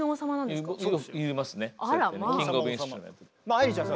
愛理ちゃん